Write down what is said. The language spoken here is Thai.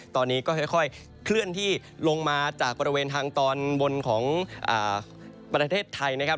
ตอนนี้ก็ค่อยเคลื่อนที่ลงมาจากบริเวณทางตอนบนของประเทศไทยนะครับ